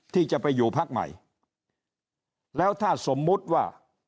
ที่จะไปอยู่พักใหม่แล้วถ้าสมมุติว่า